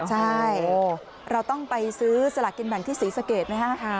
ใช่เราต้องไปซื้อสลักเกณฑ์แบบที่สีสเกตไหมคะ